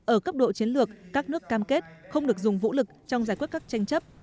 ở cấp độ chiến lược các nước cam kết không được dùng vũ lực trong giải quyết các tranh chấp